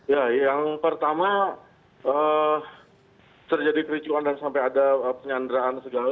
ya yang pertama terjadi kericuan dan sampai ada penyanderaan segala